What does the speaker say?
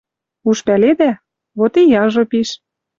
Уж пӓледӓ? Вот и яжо пиш.